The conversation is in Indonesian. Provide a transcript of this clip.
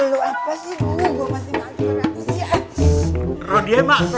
lu apa sih lu gua masih bangkrut ya